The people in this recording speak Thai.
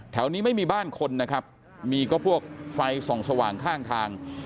นี้ไม่มีบ้านคนนะครับมีก็พวกไฟส่องสว่างข้างทาง